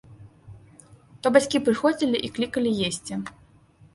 То бацькі прыходзілі і клікалі есці.